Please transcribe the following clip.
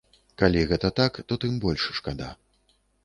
Калі гэта так, то тым больш шкада.